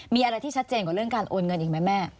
มีอะไรที่ชัดเจนกว่าเรื่องการโอนเงินอีกไหมแม่